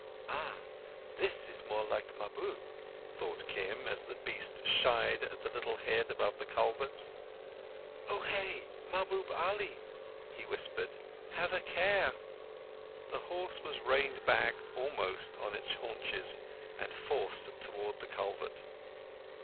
"Ah! This is more like Mahbub," thought Kim, as the beast shied at the little head above the culvert. "Ohé", Mahbub Ali," he whispered, "have a care!" The horse was reined back almost on its haunches, and forced towards the culvert.